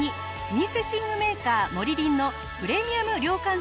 老舗寝具メーカーモリリンのプレミアム涼感